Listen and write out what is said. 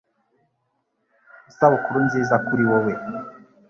Isabukuru nziza kuri wowe